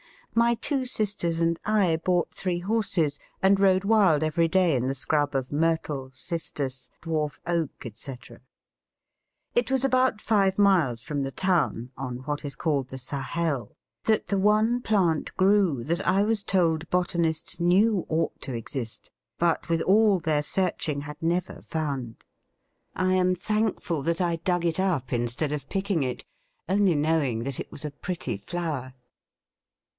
My two sisters and I bought three horses, and rode wild every day in the scrub of Myrtle, Cistus, Dwarf Oak, &c. It was about five miles from the town, on what is called the 'Sahel,' that the one plant grew that I was told botanists knew ought to exist, but with all their searching had never found. I am thankful that I dug it up instead of picking it, only knowing that it was a pretty flower.